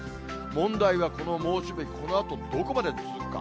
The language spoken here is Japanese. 問題はこの猛暑日、このあとどこまで続くか。